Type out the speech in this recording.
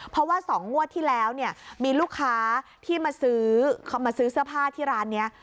เพราะว่า๒งวดที่แรวมีลูกค้ามาซื้อเสื้อผ้าที่ร้านนี้